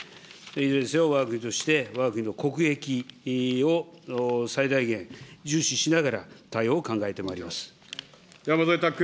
いずれにせよ、わが国としてわが国の国益を最大限重視しながら、山添拓君。